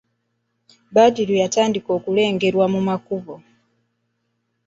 Badru yatandika okulengerwa mu makubo.